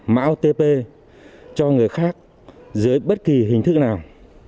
mạo tp cho người khác dưới bất kỳ hình thức nào